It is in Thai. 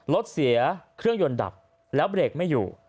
รถเสียเครื่องยนต์ดับแล้วเบรกไม่อยู่